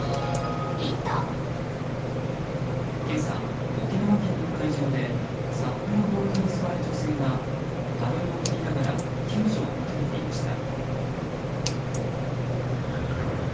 今朝、沖縄県の海上でＳＵＰのボードに座る女性がパドルを振りながら救助を求めていました。